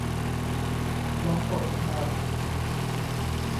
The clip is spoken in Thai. ลองกดอ่าน